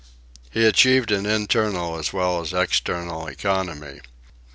He achieved an internal as well as external economy.